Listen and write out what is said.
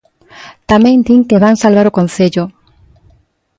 Tamén din que van salvar o Concello.